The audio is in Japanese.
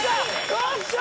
よっしゃ！